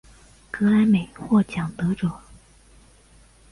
格莱美奖获得者。